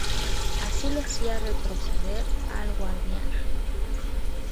Así lo hacía retroceder al Guadiana.